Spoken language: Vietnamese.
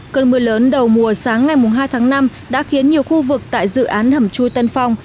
cơn mưa lớn đầu mùa sáng ngày hai tháng năm đã khiến nhiều khu vực tại dự án hầm chui tân phong